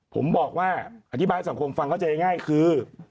ผมบอกว่าอธิบายให้สังคมฟังเข้าใจง่ายคือ